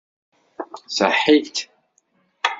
Ṣaḥit.